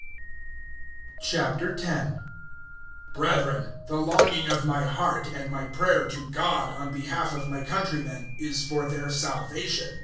010:001 Brethren, the longing of my heart, and my prayer to God, on behalf of my countrymen is for their salvation.